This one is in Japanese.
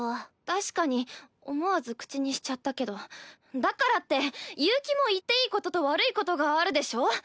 確かに思わず口にしちゃったけどだからって悠希も言っていいことと悪いことがあるでしょ？